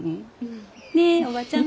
ねっおばちゃん。